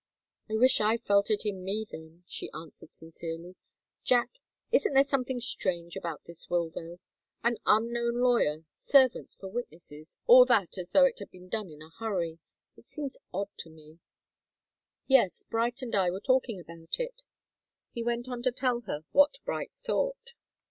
"I wish I felt it in me, then," she answered, sincerely. "Jack isn't there something strange about this will, though? An unknown lawyer, servants for witnesses all that, as though it had been done in a hurry. It seems odd to me." "Yes. Bright and I were talking about it." He went on to tell her what Bright thought.